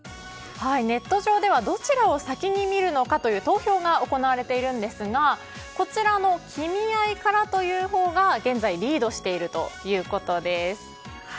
ネット上ではどちらを先に見るのかという投票が行われているんですが「君愛」からというほうが現在リードしているということです。